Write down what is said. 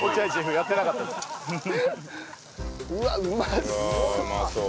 うわっうまそう！